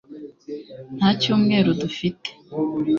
nta cyumweru dufite